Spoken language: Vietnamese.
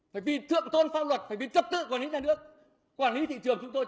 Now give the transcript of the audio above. phải vì thượng thôn phong luật phải vì chấp tự quản lý nhà nước quản lý thị trường chúng tôi